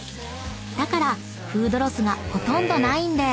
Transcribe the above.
［だからフードロスがほとんどないんです］